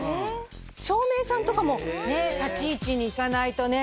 照明さんとかも立ち位置に行かないとね